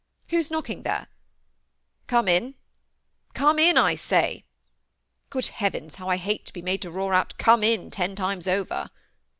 Who's knocking there ? Come in. Come in, I say. GU)od heavens, how I hate to be made to roar out * Come in ' ten times over